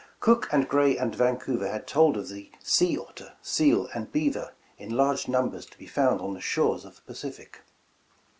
Cook and Gray and Vancouver had told of *'sea otter, seal and beaver in large numbers to be found on the shores of the Pacific."